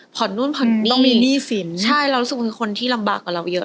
นู่นผ่อนต้องมีหนี้สินใช่เรารู้สึกเป็นคนที่ลำบากกว่าเราเยอะ